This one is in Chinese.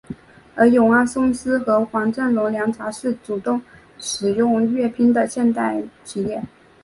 而永安公司和黄振龙凉茶是主动使用粤拼的现代企业。